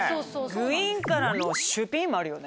ぐいんからのシュピンもあるよね。